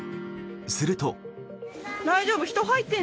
すると。